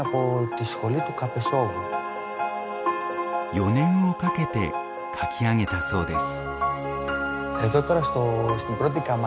４年をかけて描き上げたそうです。